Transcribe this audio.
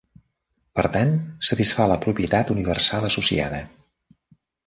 Per tant, satisfà la propietat universal associada.